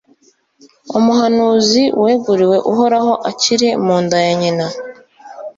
umuhanuzi weguriwe Uhoraho akiri mu nda ya nyina,